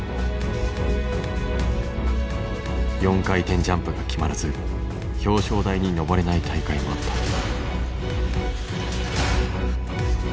４回転ジャンプが決まらず表彰台にのぼれない大会もあった。